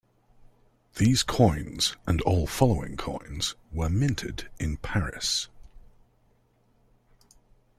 These coins, and all following coins, were minted in Paris.